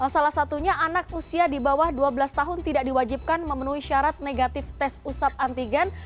salah satunya anak usia di bawah dua belas tahun tidak diwajibkan memenuhi syarat negatif tes usap antigen